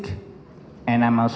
dan saya juga di dalam